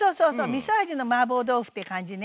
みそ味のマーボー豆腐って感じね。